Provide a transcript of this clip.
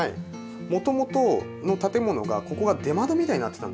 元々の建物がここが出窓みたいになってたんですね。